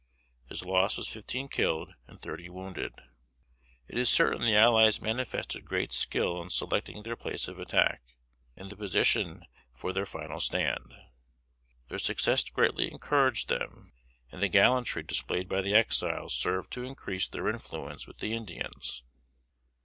His loss was fifteen killed and thirty wounded. It is certain the allies manifested great skill in selecting their place of attack, and the position for their final stand. Their success greatly encouraged them, and the gallantry displayed by the Exiles served to increase their influence with the Indians.